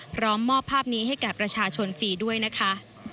พร้อมมอบภาพนี้ให้แก่ประชาชนฟรีด้วยนะคะ